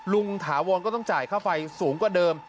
ถาวรก็ต้องจ่ายค่าไฟสูงกว่าเดิม